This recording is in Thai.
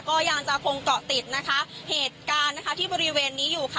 ก็ยังจะคงเกาะติดนะคะเหตุการณ์นะคะที่บริเวณนี้อยู่ค่ะ